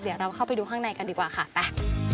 เดี๋ยวเราเข้าไปดูข้างในกันดีกว่าค่ะไป